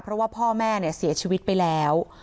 เพราะว่าพ่อแม่เนี่ยเสียชีวิตไปแล้ว